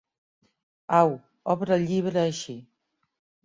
Au, obre el llibre així.